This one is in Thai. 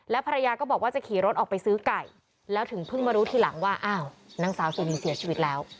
ภรรยาก็บอกว่าจะขี่รถออกไปซื้อไก่แล้วถึงเพิ่งมารู้ทีหลังว่าอ้าวนางสาวสุนินเสียชีวิตแล้ว